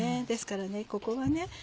ですからここはね